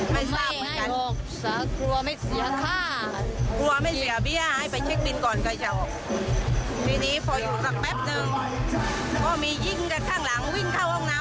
เปิดไปเลยเพื่อนกำลังเล่นต่อ